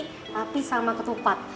tapi sama ketupat